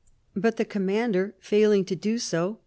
But the Commander failing to do so.